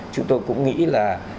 chúng tôi cũng nghĩ là